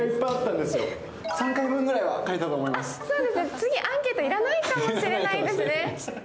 次アンケート要らないかもしれないですね。